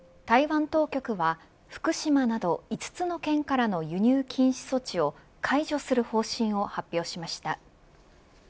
台湾当局は福島など５つの県からの輸入禁止措置を解除する方針を発表しました。